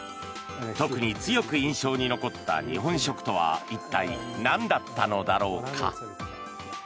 特に強く印象に残った日本食とは一体、なんだったのだろうか。